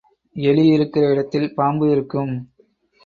எலி இருக்கிற இடத்தில் பாம்பு இருக்கும்.